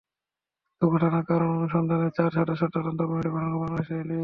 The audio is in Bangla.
দুর্ঘটনার কারণ অনুসন্ধানে চার সদস্যের তদন্ত কমিটি গঠন করেছে বাংলাদেশ রেলওয়ে।